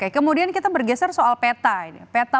kemudian kita bergeser soal peta ini